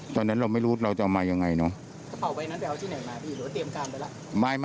ตอนนั้นเราไม่รู้เราจะเอามายังไงเนอะกระเป๋าใบนั้นไปเอาที่ไหนมาพี่หรือว่าเตรียมการไปแล้ว